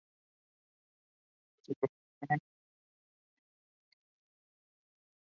Ella se convirtió en una ferviente seguidora de sus enseñanzas.